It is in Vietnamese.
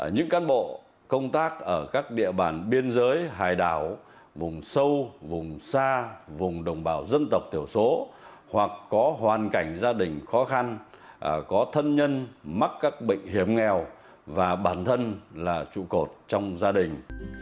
những cán bộ công tác ở các địa bàn biên giới hải đảo vùng sâu vùng xa vùng đồng bào dân tộc tiểu số hoặc có hoàn cảnh gia đình khó khăn có thân nhân mắc các bệnh hiểm nghèo và bản thân là trụ cột trong gia đình